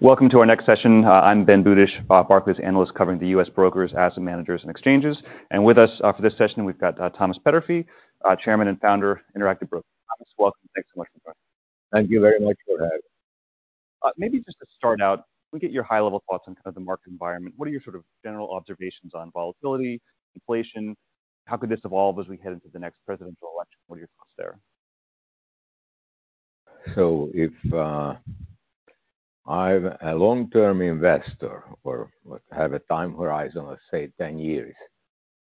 Welcome to our next session. I'm Ben Budish, Barclays analyst, covering the U.S. brokers, asset managers, and exchanges. And with us, for this session, we've got Thomas Peterffy, Chairman and Founder, Interactive Brokers. Thomas, welcome. Thanks so much for joining. Thank you very much for having me. Maybe just to start out, can we get your high-level thoughts on kind of the market environment? What are your sort of general observations on volatility, inflation? How could this evolve as we head into the next presidential election? What are your thoughts there? So if I'm a long-term investor or have a time horizon of, say, 10 years,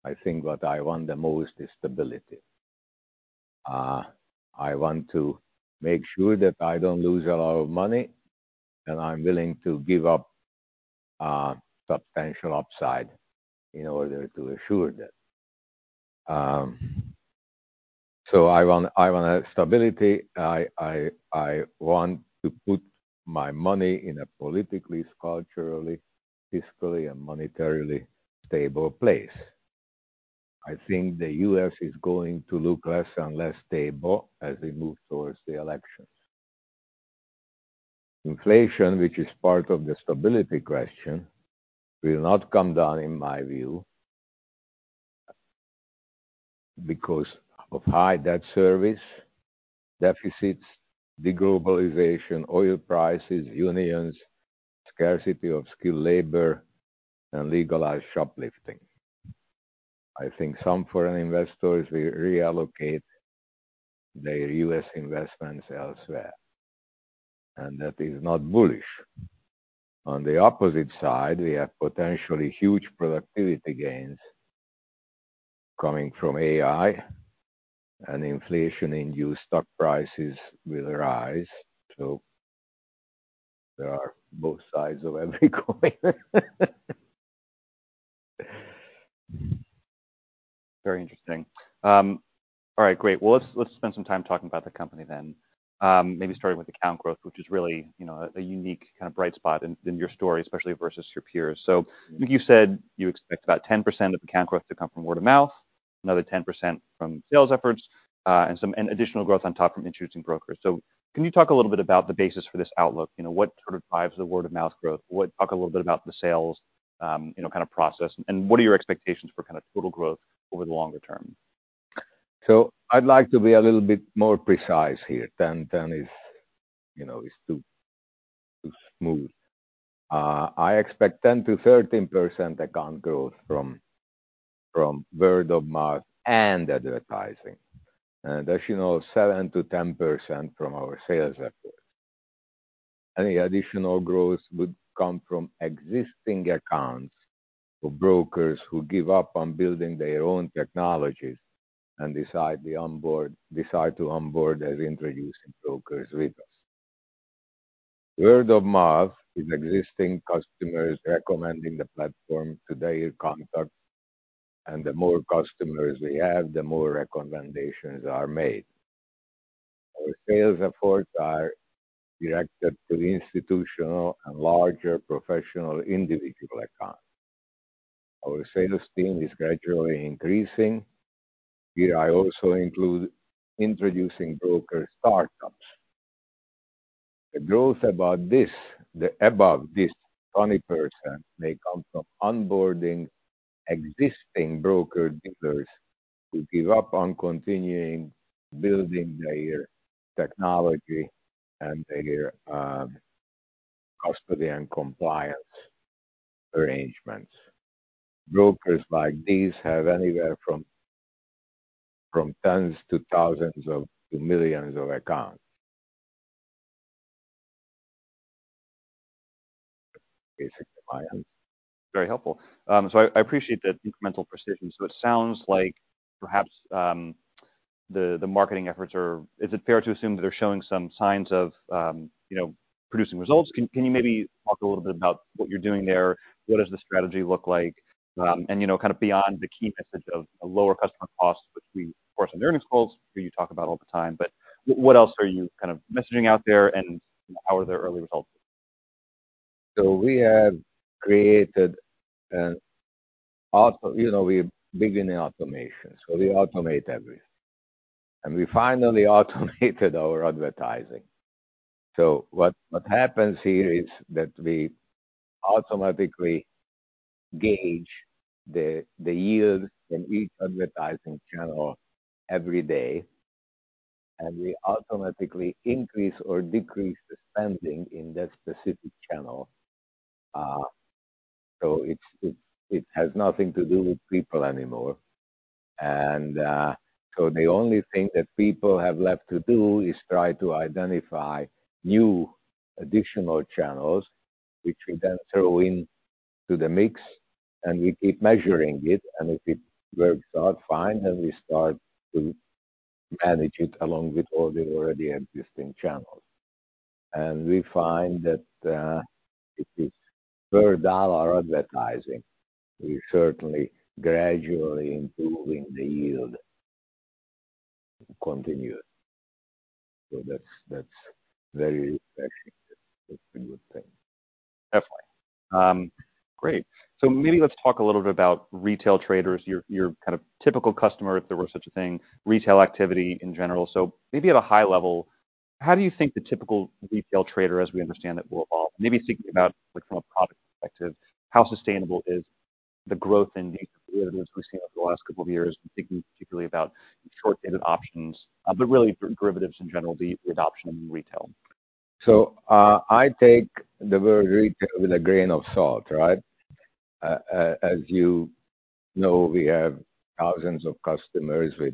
I think what I want the most is stability. I want to make sure that I don't lose a lot of money, and I'm willing to give up substantial upside in order to assure that. So I want to have stability. I want to put my money in a politically, culturally, fiscally, and monetarily stable place. I think the U.S. is going to look less and less stable as we move towards the election. Inflation, which is part of the stability question, will not come down, in my view, because of high debt service, deficits, de-globalization, oil prices, unions, scarcity of skilled labor, and legalized shoplifting. I think some foreign investors will reallocate their U.S. investments elsewhere, and that is not bullish. On the opposite side, we have potentially huge productivity gains coming from AI, and inflation-induced stock prices will rise. So there are both sides of every coin. Very interesting. All right, great. Well, let's spend some time talking about the company then. Maybe starting with account growth, which is really, you know, a unique kind of bright spot in your story, especially versus your peers. So I think you said you expect about 10% of account growth to come from word of mouth, another 10% from sales efforts, and additional growth on top from introducing brokers. So can you talk a little bit about the basis for this outlook? You know, what sort of drives the word-of-mouth growth? Talk a little bit about the sales, you know, kind of process, and what are your expectations for kind of total growth over the longer term? So I'd like to be a little bit more precise here. 10, 10 is, you know, too smooth. I expect 10%-13% account growth from word of mouth and advertising, and as you know, 7%-10% from our sales efforts. Any additional growth would come from existing accounts or brokers who give up on building their own technologies and decide to be on board, decide to onboard as introducing brokers with us. Word of mouth is existing customers recommending the platform to their contacts, and the more customers we have, the more recommendations are made. Our sales efforts are directed to the institutional and larger professional individual accounts. Our sales team is gradually increasing. Here I also include introducing broker startups. The growth about this, the above this 20% may come from onboarding existing broker dealers who give up on continuing building their technology and their custody and compliance arrangements. Brokers like these have anywhere from tens to thousands to millions of accounts. Basically, I Very helpful. So I appreciate the incremental precision, so it sounds like perhaps the marketing efforts are is it fair to assume they're showing some signs of, you know, producing results? Can you maybe talk a little bit about what you're doing there? What does the strategy look like? And, you know, kind of beyond the key message of a lower customer cost, which we, of course, on the earnings calls, where you talk about all the time, but what else are you kind of messaging out there, and how are the early results? So we have created an automated. You know, we're big in automation, so we automate everything, and we finally automated our advertising. So what happens here is that we automatically gauge the yield in each advertising channel every day, and we automatically increase or decrease the spending in that specific channel. So it has nothing to do with people anymore. So the only thing that people have left to do is try to identify new additional channels, which we then throw into the mix, and we keep measuring it, and if it works out fine, then we start to manage it along with all the already existing channels. And we find that it is per dollar advertising, we're certainly gradually improving the yield continued. So that's very refreshing. That's a good thing. That's fine. Great. So maybe let's talk a little bit about retail traders, your, your kind of typical customer, if there were such a thing, retail activity in general. So maybe at a high level, how do you think the typical retail trader, as we understand it, will evolve? Maybe thinking about like from a product perspective, how sustainable is the growth in derivatives we've seen over the last couple of years, thinking particularly about short-dated options, but really derivatives in general, the, the adoption in retail. So, I take the word retail with a grain of salt, right? As you know, we have thousands of customers with...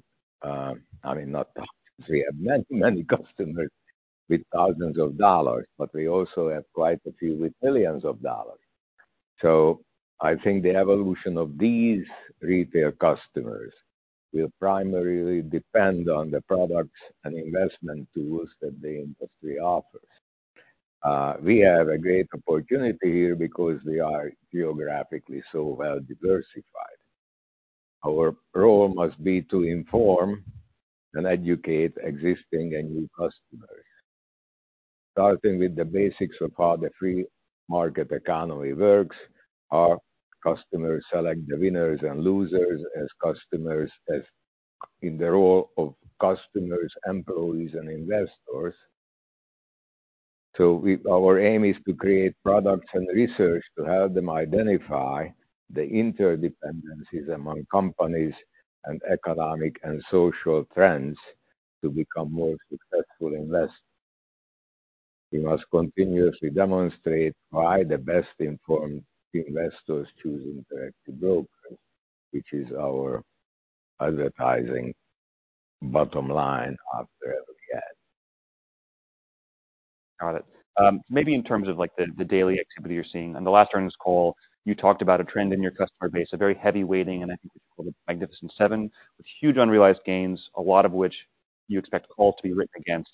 I mean, not thousands. We have many, many customers with thousands of dollars, but we also have quite a few with millions of dollars. So I think the evolution of these retail customers will primarily depend on the products and investment tools that the industry offers. We have a great opportunity here because we are geographically so well diversified. Our role must be to inform and educate existing and new customers, starting with the basics of how the free market economy works. Our customers select the winners and losers as customers, as in the role of customers, employees, and investors. So our aim is to create products and research to help them identify the interdependencies among companies and economic and social trends to become more successful investors. We must continuously demonstrate why the best-informed investors choose Interactive Brokers, which is our advertising bottom line out there that we had. Got it. Maybe in terms of, like, the daily activity you're seeing. On the last earnings call, you talked about a trend in your customer base, a very heavy weighting, and I think you called it Magnificent Seven, with huge unrealized gains, a lot of which you expect all to be written against.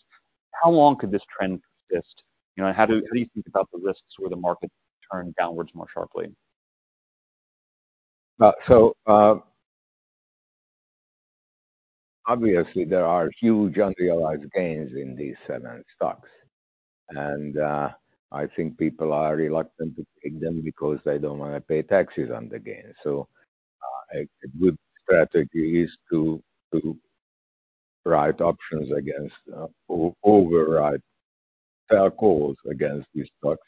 How long could this trend persist? You know, and how do you think about the risks where the market turn downwards more sharply? So, obviously there are huge unrealized gains in these seven stocks, and, I think people are reluctant to take them because they don't want to pay taxes on the gains. So, a good strategy is to write options against, or write, sell calls against these stocks,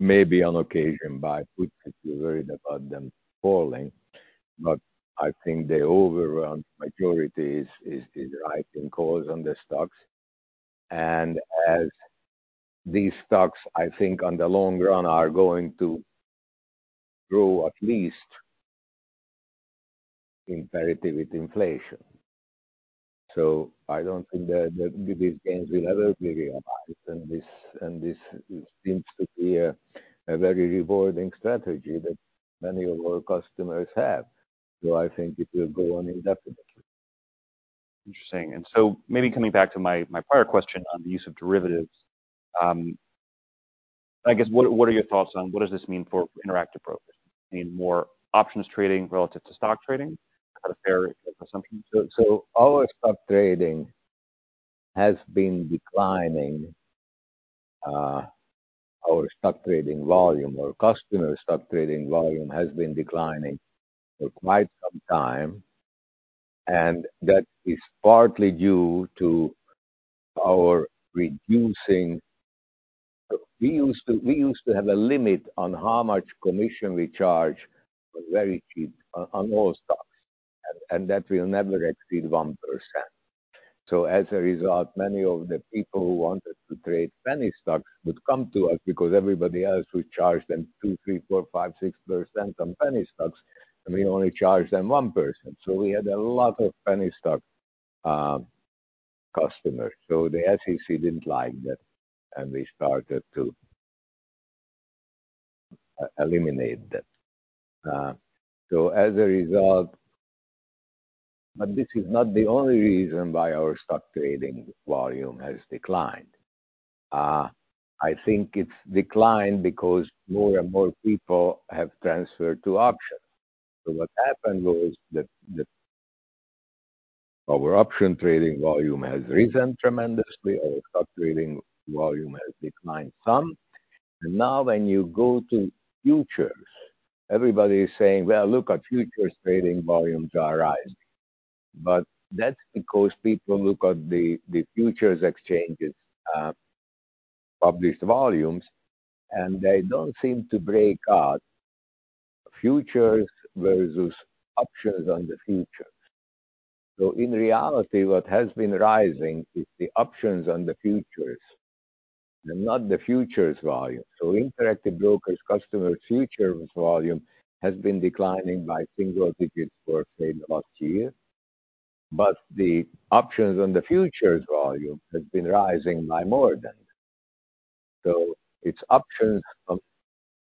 maybe on occasion, buy puts if you're worried about them falling. But I think the overwhelming majority is the writing calls on the stocks. And as these stocks, I think, in the long run, are going to grow at least in parity with inflation. So I don't think that these gains will ever be realized, and this seems to be a very rewarding strategy that many of our customers have. So I think it will go on indefinitely. Interesting. And so maybe coming back to my prior question on the use of derivatives, I guess what are your thoughts on what does this mean for Interactive Brokers? I mean, more options trading relative to stock trading, a fair assumption? So our stock trading has been declining. Our stock trading volume or customer stock trading volume has been declining for quite some time, and that is partly due to our reducing... We used to have a limit on how much commission we charge, very cheap on all stocks, and that will never exceed 1%. So as a result, many of the people who wanted to trade penny stocks would come to us because everybody else would charge them 2%, 3%, 4%, 5%, 6% on penny stocks, and we only charged them 1%. So we had a lot of penny stock customers. So the SEC didn't like that, and we started to eliminate that. So as a result. But this is not the only reason why our stock trading volume has declined. I think it's declined because more and more people have transferred to options. So what happened was that our option trading volume has risen tremendously. Our stock trading volume has declined some. And now when you go to futures, everybody is saying: Well, look at futures, trading volumes are rising. But that's because people look at the futures exchanges published volumes, and they don't seem to break out futures versus options on the futures. So in reality, what has been rising is the options on the futures and not the futures volume. So Interactive Brokers customer futures volume has been declining by single digits for, say, the last year, but the options on the futures volume has been rising by more than. So it's options on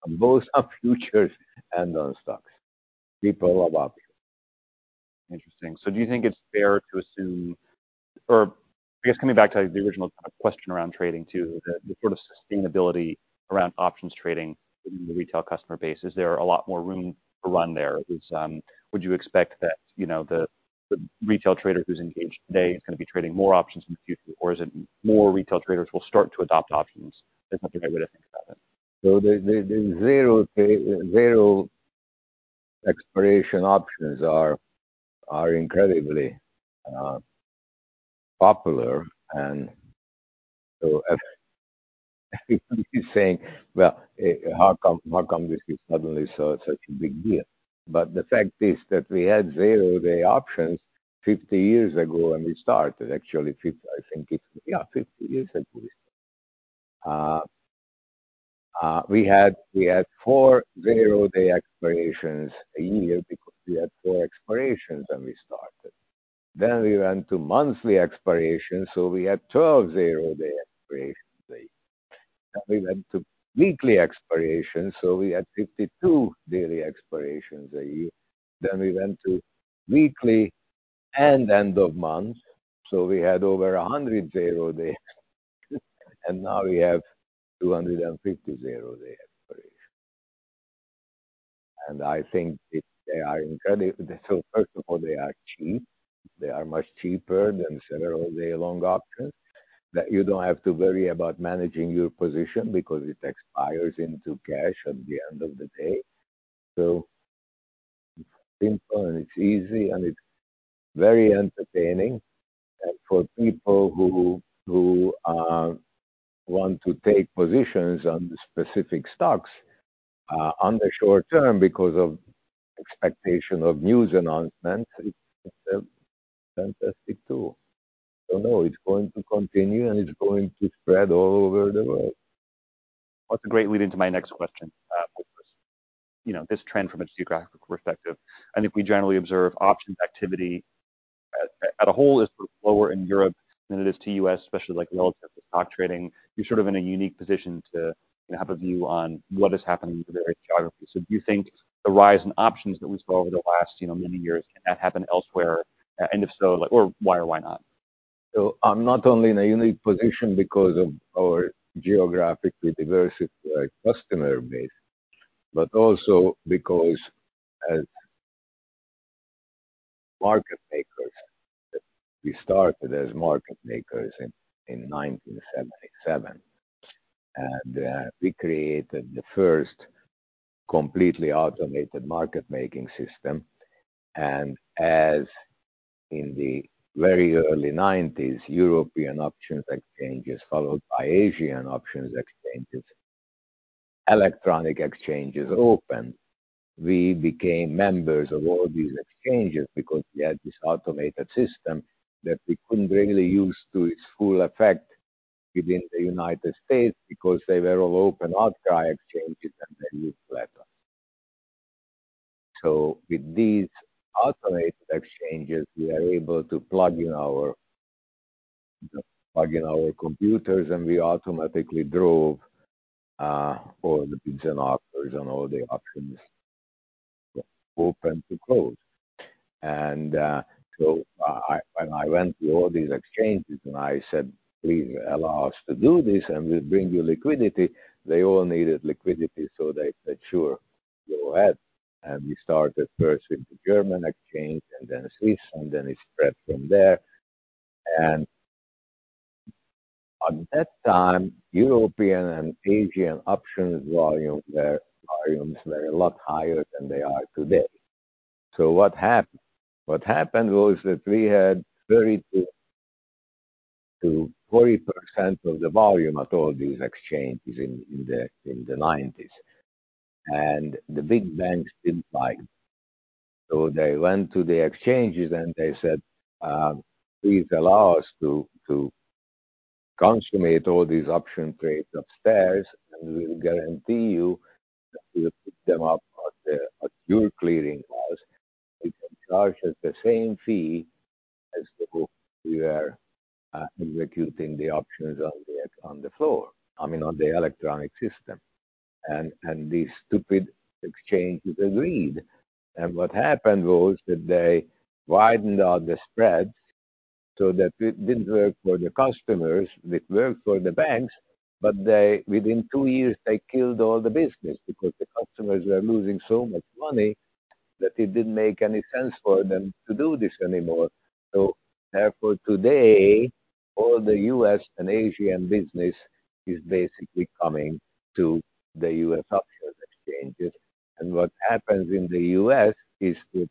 both on futures and on stocks. People love options. Interesting. So do you think it's fair to assume or I guess coming back to the original kind of question around trading too, the sort of sustainability around options trading in the retail customer base. Is there a lot more room to run there? Is would you expect that, you know, the retail trader who's engaged today is gonna be trading more options in the future, or is it more retail traders will start to adopt options? Is that the right way to think about it? So the zero expiration options are incredibly popular. And so if everybody is saying, "Well, how come, how come this is suddenly so such a big deal?" But the fact is that we had zero-day options 50 years ago when we started. Actually, 50 I think it's Yeah, 50 years at least. We had four zero day expirations a year because we had four expirations when we started. Then we went to monthly expirations, so we had 12 zero-day expirations a year. Then we went to weekly expirations, so we had 52 daily expirations a year. Then we went to weekly and end of month, so we had over 100 zero-day. And now we have 250 zero-day expirations. And I think they are incredibly. So first of all, they are cheap. They are much cheaper than several day-long options, that you don't have to worry about managing your position because it expires into cash at the end of the day. So it's simple, and it's easy, and it's very entertaining. And for people who want to take positions on the specific stocks, on the short term because of expectation of news announcements, it's a fantastic tool. So no, it's going to continue, and it's going to spread all over the world. Well, it's a great lead into my next question. You know, this trend from a geographical perspective, and if we generally observe options activity at a whole is lower in Europe than it is to U.S., especially like relative to stock trading. You're sort of in a unique position to have a view on what is happening in the various geographies. So do you think the rise in options that we saw over the last, you know, many years, can that happen elsewhere? And if so, like or why or why not? So I'm not only in a unique position because of our geographically diverse customer base, but also because as market makers, we started as market makers in 1977. And we created the first completely automated market-making system. And as in the very early 1990s, European options exchanges, followed by Asian options exchanges, electronic exchanges opened. We became members of all these exchanges because we had this automated system that we couldn't really use to its full effect within the United States because they were all open outcry exchanges, and they used letters. So with these automated exchanges, we are able to plug in our computers, and we automatically drove all the bids and offers on all the options from open to close. And, so when I went to all these exchanges and I said, "Please allow us to do this, and we'll bring you liquidity," they all needed liquidity, so they said, "Sure, go ahead." And we started first with the German exchange and then Swiss, and then it spread from there. And at that time, European and Asian options volumes were a lot higher than they are today. So what happened? What happened was that we had 30%-40% of the volume of all these exchanges in the 1990s, and the big banks didn't like it. So they went to the exchanges, and they said, "Please allow us to consummate all these option trades upstairs, and we will guarantee you that we will pick them up at your clearinghouse. You can charge us the same fee as the group we are executing the options on the floor, I mean, on the electronic system." And these stupid exchanges agreed. And what happened was that they widened out the spreads so that it didn't work for the customers. It worked for the banks, but they, within two years, they killed all the business because the customers were losing so much money that it didn't make any sense for them to do this anymore. So therefore, today, all the U.S. and Asian business is basically coming to the U.S. options exchanges. And what happens in the U.S. is that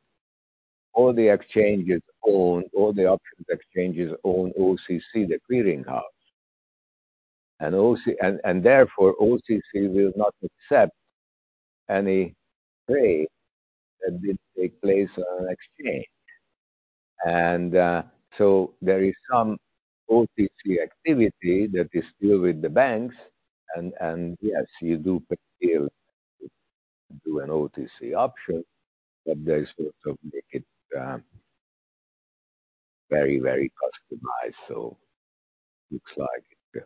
all the exchanges own, all the options exchanges own OCC, the clearinghouse. And therefore, OCC will not accept any trade that didn't take place on an exchange. So there is some OTC activity that is still with the banks, and yes, you do still do an OTC option, but there's sort of make it very, very customized. So, it looks like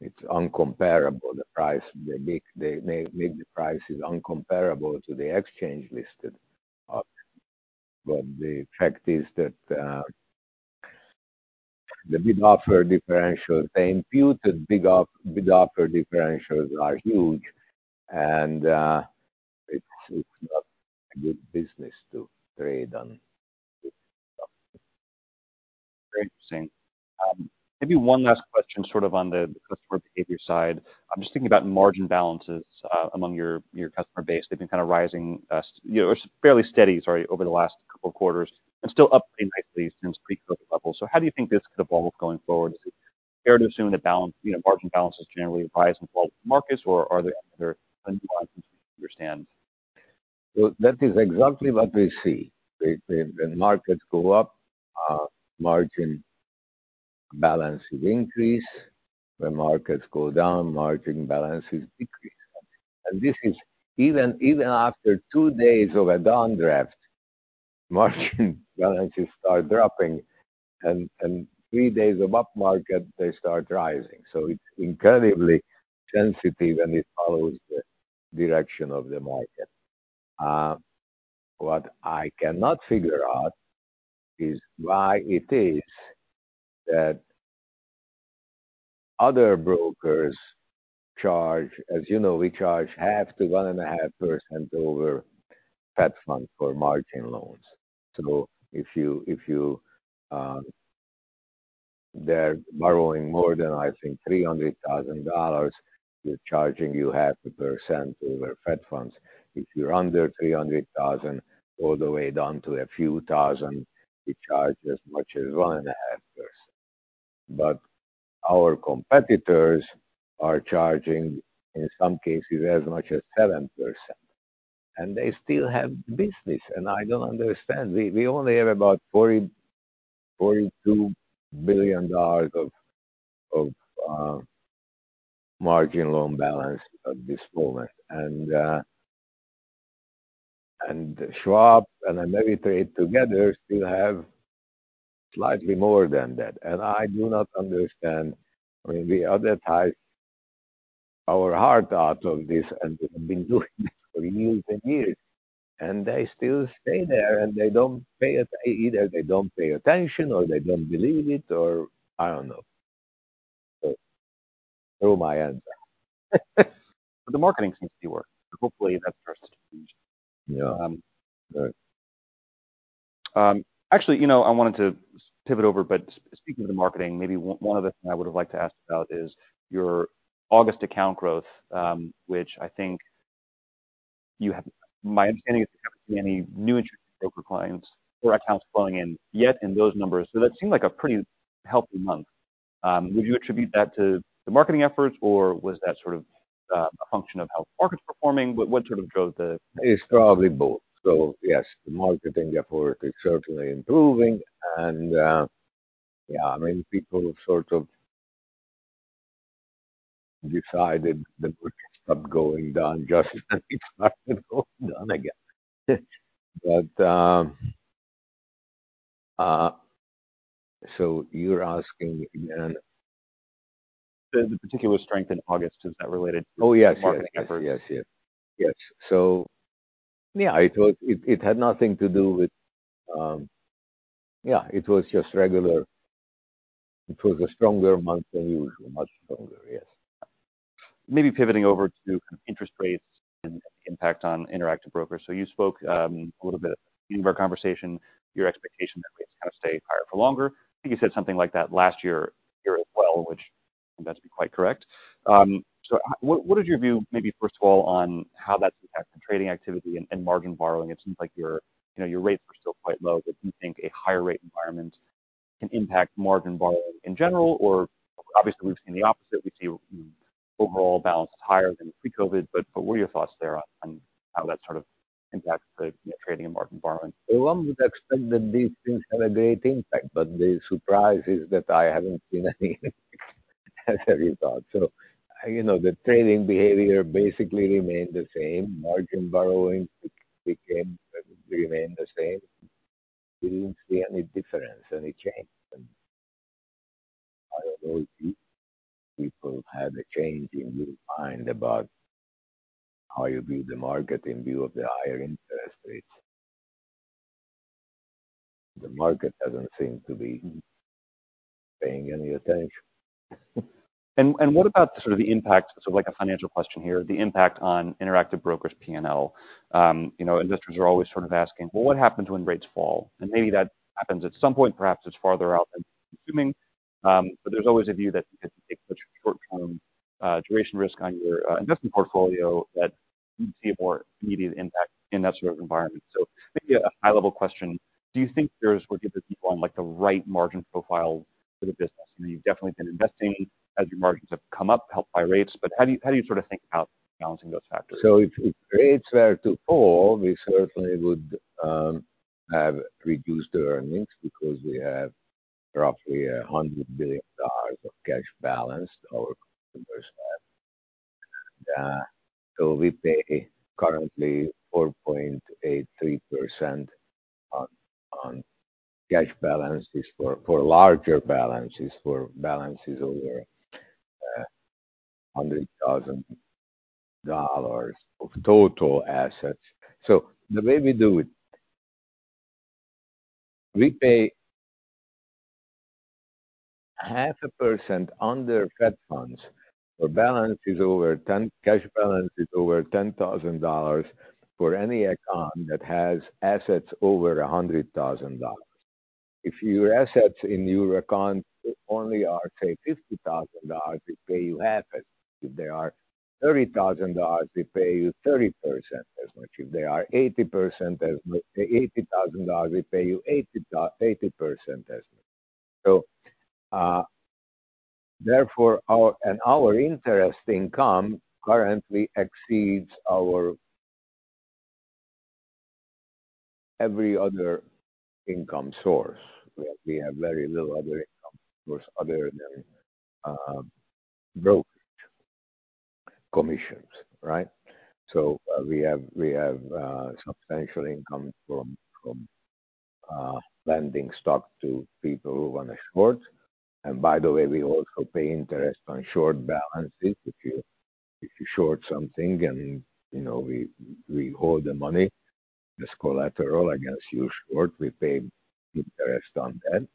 it's incomparable, the price. They make the prices incomparable to the exchange-listed options. But the fact is that, the bid offer differentials, the imputed bid offer differentials are huge, and it's not a good business to trade on. Very interesting. Maybe one last question, sort of on the customer behavior side. I'm just thinking about margin balances among your, your customer base. They've been kind of rising, you know, or fairly steady, sorry, over the last couple of quarters and still up pretty nicely since pre-COVID levels. So how do you think this could evolve going forward? Is it fair to assume the balance, you know, margin balances generally rise and fall with markets, or are there other factors to understand? So that is exactly what we see. When markets go up, margin balance will increase. When markets go down, margin balances decrease. And this is even after two days of a downdraft, margin balances start dropping, and three days of up market, they start rising. So it's incredibly sensitive, and it follows the direction of the market. What I cannot figure out is why it is that other brokers charge. As you know, we charge 0.5%-1.5% over Fed funds for margin loans. So if you, they're borrowing more than, I think, $300,000, we're charging you 0.5% over Fed funds. If you're under $300,000, all the way down to a few thousand, we charge as much as 1.5%. But our competitors are charging, in some cases, as much as 7%, and they still have business, and I don't understand. We only have about $42 billion of margin loan balance at this moment, and Schwab and America together still have slightly more than that. And I do not understand. I mean, we advertise our heart out of this and have been doing this for years and years, and they still stay there, and they don't pay it. Either they don't pay attention, or they don't believe it, or I don't know. So through my answer. The marketing seems to work. Hopefully, that starts to change. Yeah, right. Actually, you know, I wanted to pivot over, but speaking of the marketing, maybe one other thing I would have liked to ask about is your August account growth, which I think you have my understanding is you haven't seen any new Interactive Brokers clients or accounts flowing in yet in those numbers. So that seemed like a pretty healthy month. Would you attribute that to the marketing efforts, or was that sort of a function of how the market's performing? What sort of drove the- It's probably both. So yes, the marketing effort is certainly improving. And, yeah, I mean, people sort of decided that we stopped going down just as it started going down again. But, so you're asking, and- The particular strength in August, is that related to? Oh, yes. marketing efforts? Yes, yes. Yes. So yeah, it was. It had nothing to do with. Yeah, it was just regular. It was a stronger month than usual. Much stronger, yes. Maybe pivoting over to interest rates and impact on Interactive Brokers. So you spoke, a little bit in our conversation, your expectation that rates kind of stay higher for longer. I think you said something like that last year as well, which has been quite correct. So, how what is your view, maybe first of all, on how that's impacted trading activity and margin borrowing? It seems like your, you know, your rates are still quite low, but do you think a higher rate environment can impact margin borrowing in general? Or obviously, we've seen the opposite. We see overall balances higher than pre-COVID, but what are your thoughts there on how that sort of impacts the trading and margin borrowing? Well, one would expect that these things have a great impact, but the surprise is that I haven't seen any as a result. So, you know, the trading behavior basically remained the same. Margin borrowing became, remained the same. We didn't see any difference, any change. And I know people, people had a change in their mind about how you view the market in view of the higher interest rates. The market doesn't seem to be paying any attention. What about the sort of the impact, so like a financial question here, the impact on Interactive Brokers' P&L? You know, investors are always sort of asking, "Well, what happens when rates fall?" And maybe that happens at some point, perhaps it's farther out than assuming, but there's always a view that it takes a short-term, duration risk on your, investment portfolio, that you see a more immediate impact in that sort of environment. So maybe a high-level question, do you think yours will get the people on, like, the right margin profile for the business? I mean, you've definitely been investing as your margins have come up, helped by rates, but how do you, how do you sort of think about balancing those factors? So if rates were to fall, we certainly would have reduced earnings because we have roughly $100 billion of cash balance our customers have. So we pay currently 4.83% on cash balances for larger balances, for balances over $100,000 of total assets. So the way we do it, we pay 0.5% on their Fed funds. Their cash balance is over $10,000 for any account that has assets over $100,000. If your assets in your account only are, say, $50,000, we pay you half it. If they are $30,000, we pay you 30% as much. If they are eighty percent as much, say, $80,000, we pay you 80% as much. So, therefore, our interest income currently exceeds our every other income source. We have very little other income source other than brokerage commissions, right? So, we have substantial income from lending stock to people who want to short. And by the way, we also pay interest on short balances. If you short something and, you know, we hold the money as collateral against your short, we pay interest on that,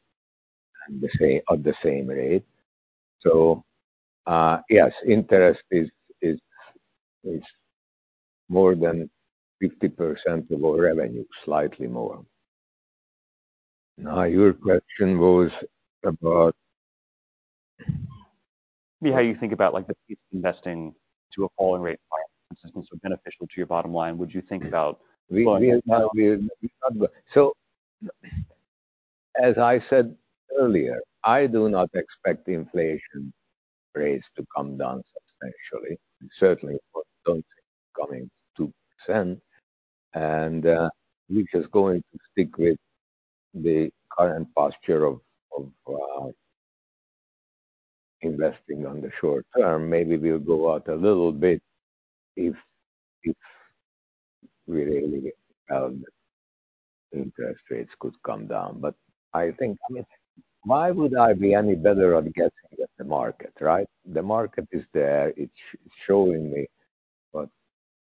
and the same, at the same rate. So, yes, interest is more than 50% of our revenue, slightly more. Now, your question was about? How you think about, like, the investing to a falling rate, consistent, so beneficial to your bottom line. Would you think about So, as I said earlier, I do not expect the inflation rates to come down substantially. Certainly, I don't see it coming to percent, and we're just going to stick with the current posture of investing on the short term. Maybe we'll go out a little bit if we really interest rates could come down. But I think, I mean, why would I be any better at guessing than the market, right? The market is there. It's showing me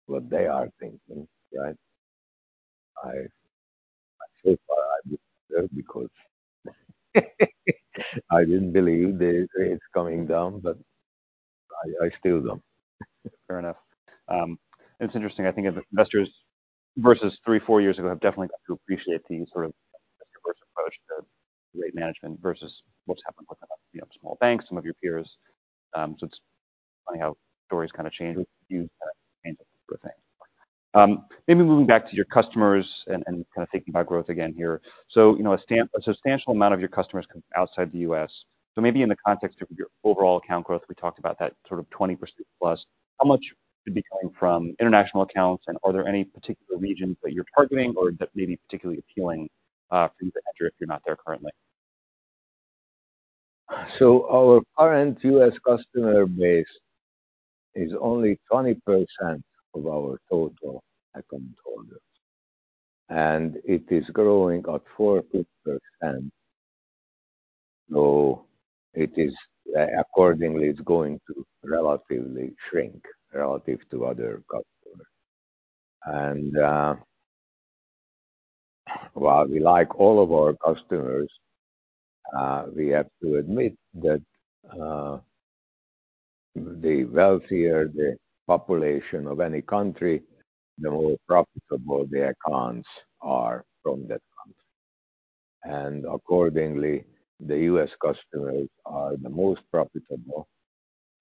what they are thinking, right? So far, because I didn't believe the rate's coming down, but I still don't. Fair enough. It's interesting, I think investors versus three, four years ago, have definitely got to appreciate the sort of diverse approach to rate management versus what's happened with, you know, small banks, some of your peers. So it's funny how stories kind of change with you, kind of change the thing. Maybe moving back to your customers and, and kind of thinking about growth again here. So, you know, a substantial amount of your customers come outside the U.S. So maybe in the context of your overall account growth, we talked about that sort of 20%+. How much should be coming from international accounts, and are there any particular regions that you're targeting or that may be particularly appealing to the entry if you're not there currently? So our current U.S. customer base is only 20% of our total account holders, and it is growing at 4%-5%, so it is, accordingly, it's going to relatively shrink relative to other customers. And while we like all of our customers, we have to admit that the wealthier the population of any country, the more profitable the accounts are from that country. And accordingly, the U.S. customers are the most profitable,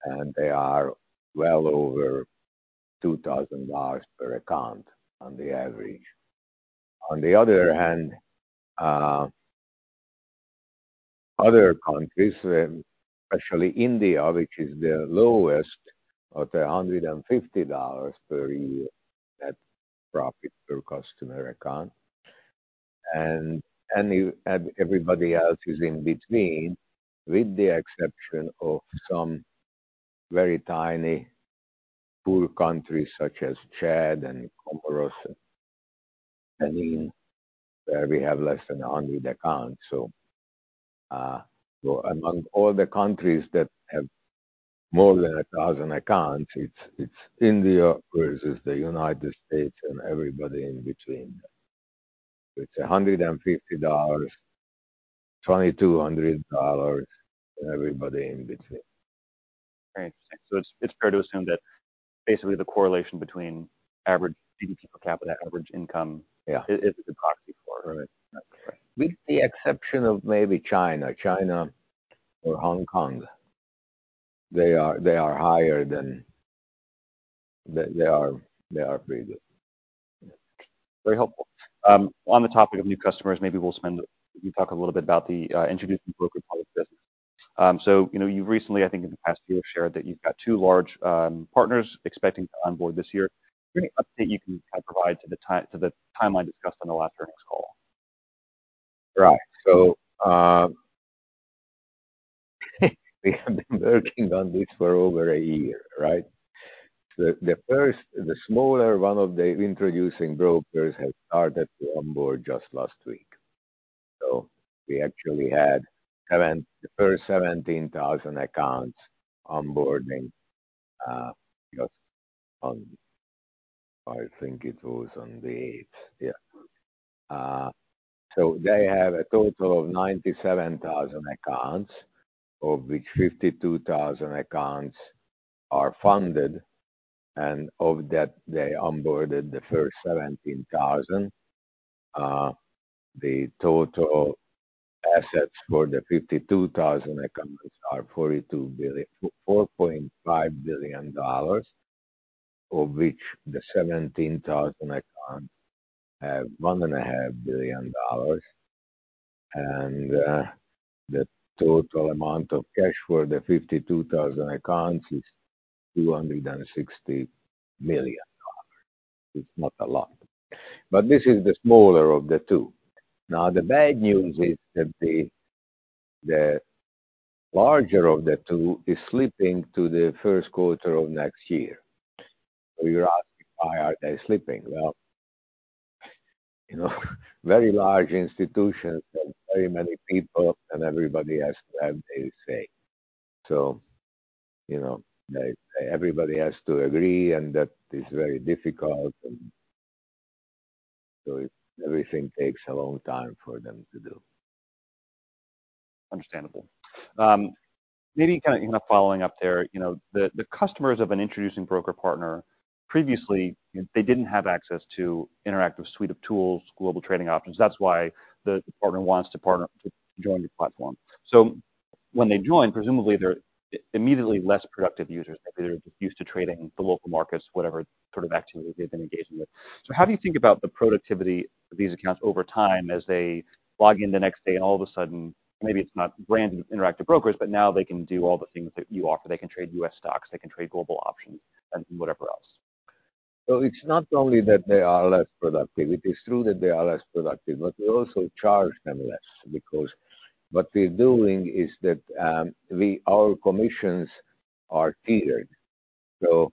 and they are well over $2,000 per account on the average. On the other hand, other countries, especially India, which is the lowest at $150 per year net profit per customer account, and everybody else is in between, with the exception of some very tiny poor countries such as Chad and Comoros, and I mean, where we have less than 100 accounts. Among all the countries that have more than 1,000 accounts, it's India versus the United States and everybody in between. It's $150-$2,200, everybody in between. Right. So it's, it's fair to assume that basically the correlation between average GDP per capita, average income Yeah. is a proxy for it. Right. With the exception of maybe China. China or Hong Kong, they are higher than, they are pretty good. Very helpful. On the topic of new customers, you talk a little bit about the introducing broker public business. So, you know, you've recently, I think in the past year, shared that you've got two large partners expecting to onboard this year. Any update you can provide to the timeline discussed on the last earnings call? Right. So, we have been working on this for over a year, right? The first, the smaller one of the Introducing Brokers has started to onboard just last week. So we actually had the first 17,000 accounts onboarding just on, I think it was on the eighth. Yeah. So they have a total of 97,000 accounts, of which 52,000 accounts are funded, and of that, they onboarded the first 17,000. The total assets for the 52,000 accounts are $42.5 billion, of which the 17,000 accounts have $1.5 billion. The total amount of cash for the 52,000 accounts is $260 million. It's not a lot. This is the smaller of the two. Now, the bad news is that the larger of the two is slipping to the first quarter of next year. So you're asking, why are they slipping? Well, you know, very large institutions and very many people, and everybody has to have their say. So, you know, they, everybody has to agree, and that is very difficult, and so everything takes a long time for them to do. Understandable. Maybe kind of, you know, following up there, you know, the customers of an introducing broker partner, previously, they didn't have access to Interactive's suite of tools, global trading options. That's why the partner wants to partner to join your platform. So when they join, presumably, they're immediately less productive users. Maybe they're just used to trading the local markets, whatever sort of activity they've been engaging with. So how do you think about the productivity of these accounts over time as they log in the next day, and all of a sudden, maybe it's not branded Interactive Brokers, but now they can do all the things that you offer. They can trade U.S. stocks, they can trade global options and whatever else. So it's not only that they are less productive, it is true that they are less productive, but we also charge them less because what we're doing is that, we our commissions are tiered. So,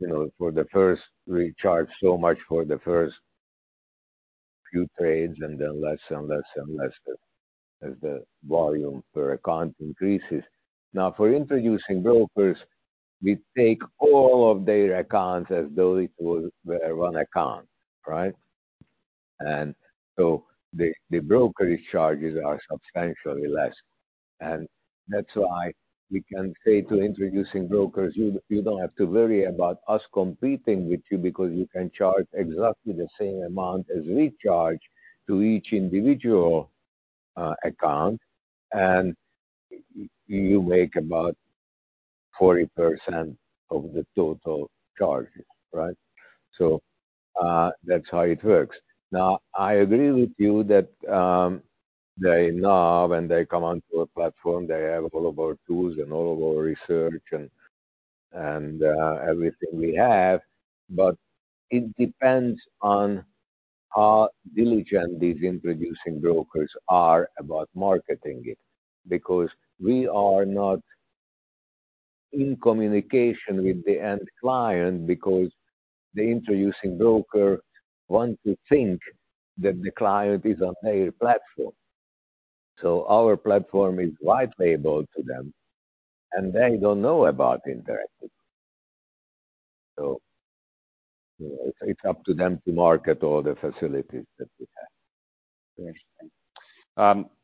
you know, for the first, we charge so much for the first few trades and then less and less and less as, as the volume per account increases. Now, for introducing brokers, we take all of their accounts as though it was one account, right? And so the brokerage charges are substantially less, and that's why we can say to introducing brokers, "You don't have to worry about us competing with you, because you can charge exactly the same amount as we charge to each individual account, and you make about 40% of the total charges," right? So, that's how it works. Now, I agree with you that they now, when they come onto our platform, they have all of our tools and all of our research and everything we have, but it depends on how diligent these introducing brokers are about marketing it, because we are not in communication with the end client, because the introducing broker wants to think that the client is on their platform. So our platform is white labeled to them, and they don't know about Interactive. So it's up to them to market all the facilities that we have. Very interesting.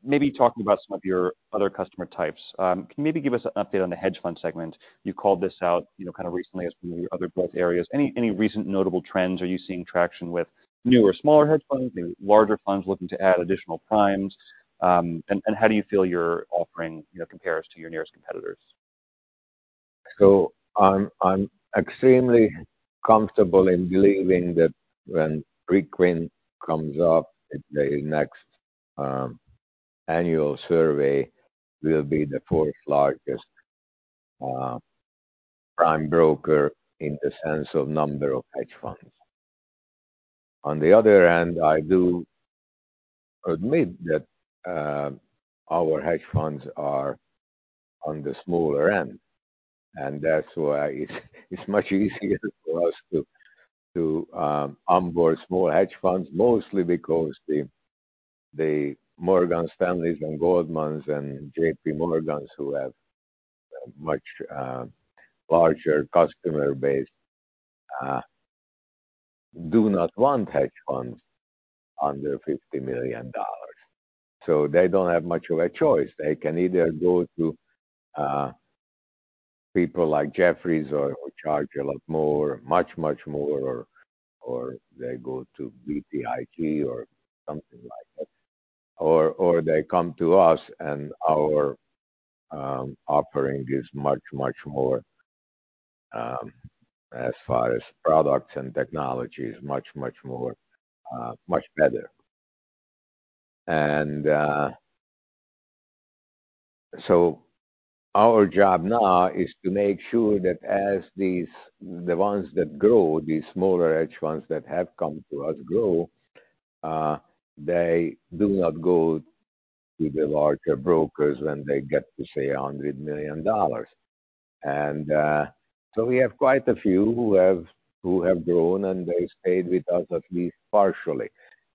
Maybe talking about some of your other customer types. Can you maybe give us an update on the hedge fund segment? You called this out, you know, kind of recently as one of your other growth areas. Any recent notable trends? Are you seeing traction with newer, smaller hedge funds, maybe larger funds looking to add additional primes? And how do you feel your offering, you know, compares to your nearest competitors? So I'm extremely comfortable in believing that when Preqin comes up in the next annual survey, we'll be the fourth largest prime broker in the sense of number of hedge funds. On the other hand, I do admit that our hedge funds are on the smaller end, and that's why it's much easier for us to onboard small hedge funds, mostly because the Morgan Stanleys and Goldmans and JP Morgans, who have a much larger customer base, do not want hedge funds under $50 million. So they don't have much of a choice. They can either go to people like Jefferies or charge a lot more, much more, or they go to BTIG or something like that, or they come to us, and our offering is much more as far as products and technology, is much more much better. So our job now is to make sure that as these the ones that grow, these smaller hedge funds that have come to us grow, they do not go to the larger brokers when they get to, say, $100 million. So we have quite a few who have grown, and they stayed with us, at least partially,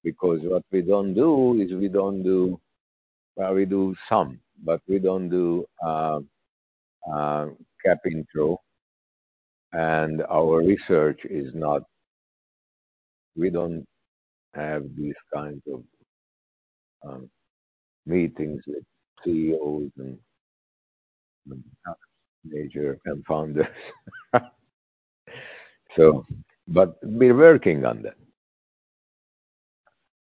because what we don't do is we don't do well, we do some, but we don't do capping intro, and our research is not we don't have these kinds of meetings with CEOs and major founders. So, but we're working on that.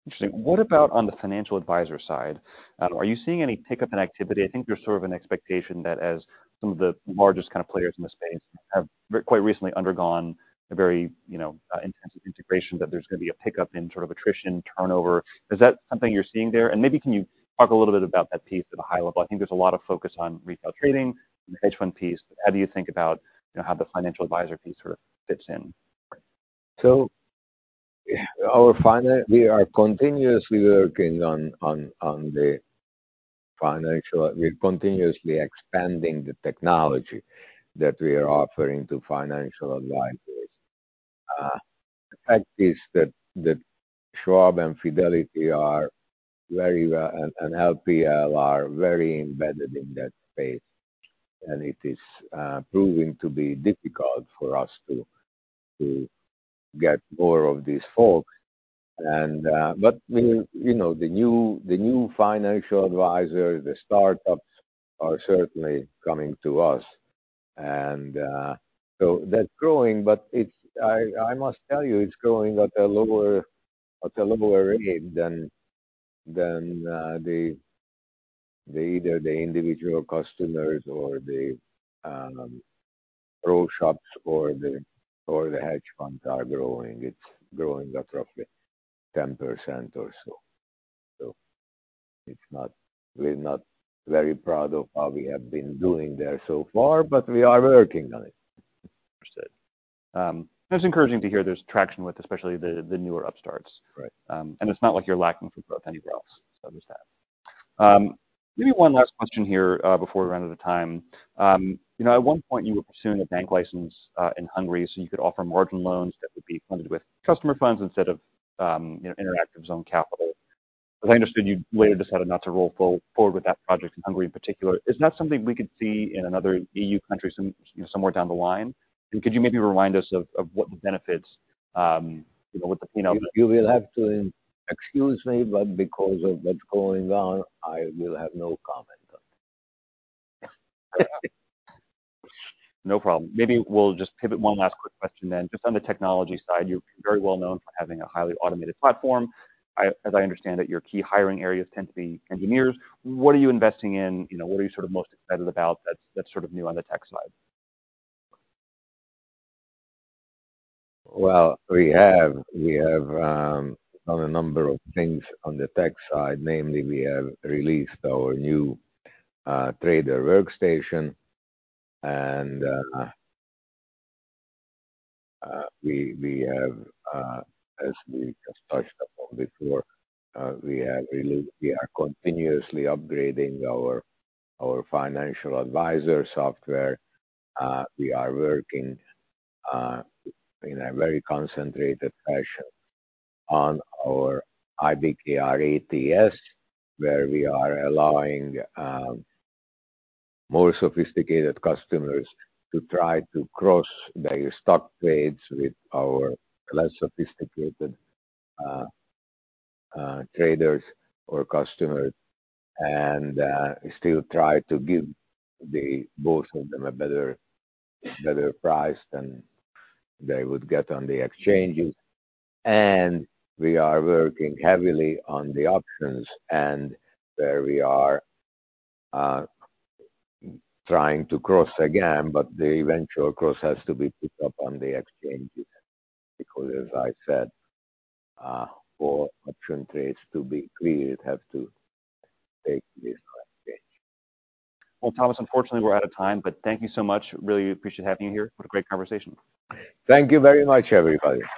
Interesting. What about on the financial advisor side? Are you seeing any pickup in activity? I think there's sort of an expectation that as some of the largest kind of players in the space have quite recently undergone a very, you know, intensive integration, that there's gonna be a pickup in sort of attrition, turnover. Is that something you're seeing there? And maybe can you talk a little bit about that piece at a high level? I think there's a lot of focus on retail trading and the hedge fund piece. How do you think about, you know, how the financial advisor piece sort of fits in? We are continuously working on the financial. We're continuously expanding the technology that we are offering to financial advisors. The fact is that Schwab and Fidelity are very well, and LPL, are very embedded in that space, and it is proving to be difficult for us to get more of these folks. But you know, the new financial advisors, the startups, are certainly coming to us. So that's growing, but it's. I must tell you, it's growing at a lower rate than either the individual customers or the pro shops or the hedge funds are growing. It's growing at roughly 10% or so. So, we're not very proud of how we have been doing there so far, but we are working on it. Understood. That's encouraging to hear there's traction with, especially the newer upstarts. Right. And it's not like you're lacking for growth anywhere else, so there's that. Maybe one last question here, before we run out of time. You know, at one point, you were pursuing a bank license in Hungary, so you could offer margin loans that would be funded with customer funds instead of, you know, Interactive's own capital. As I understood, you later decided not to roll forward with that project in Hungary in particular. Is that something we could see in another EU country some, you know, somewhere down the line? And could you maybe remind us of, of what the benefits, you know, what the, you know- You will have to excuse me, but because of what's going on, I will have no comment on it. No problem. Maybe we'll just pivot one last quick question then. Just on the technology side, you're very well known for having a highly automated platform. As I understand it, your key hiring areas tend to be engineers. What are you investing in? You know, what are you sort of most excited about that's, that's sort of new on the tech side? Well, we have done a number of things on the tech side. Namely, we have released our new Trader Workstation, and, as we just touched upon before, we are continuously upgrading our financial advisor software. We are working in a very concentrated fashion on our IBKR ATS, where we are allowing more sophisticated customers to try to cross their stock trades with our less sophisticated traders or customers, and still try to give the both of them a better price than they would get on the exchanges. We are working heavily on the options, and there we are, trying to cross again, but the eventual cross has to be picked up on the exchanges, because as I said, for option trades to be cleared, it have to take this stage. Well, Thomas, unfortunately, we're out of time, but thank you so much. Really appreciate having you here. What a great conversation. Thank you very much, everybody.